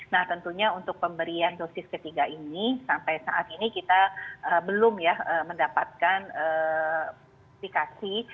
nah tentunya untuk pemberian dosis ketiga ini sampai saat ini kita belum mendapatkan aplikasi